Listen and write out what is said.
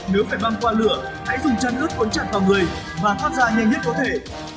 nếu phải băng qua lửa hãy dùng chân lướt cuốn chặt vào người và thoát ra nhanh nhất có thể